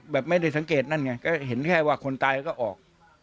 ไม่ได้สังเกตนั่นไงก็เห็นแค่ว่าคนตายก็ออก